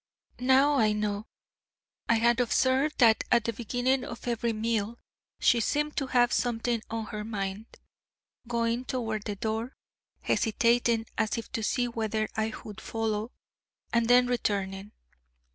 Now I know. I had observed that at the beginning of every meal she seemed to have something on her mind, going toward the door, hesitating as if to see whether I would follow, and then returning.